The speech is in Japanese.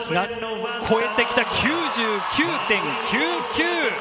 超えてきた、９９．９９。